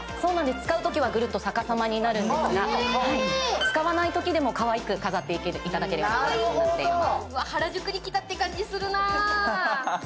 使うときはグルッと逆さまにするんですが、使わないときでも、かわいく飾っていただけるようになってます。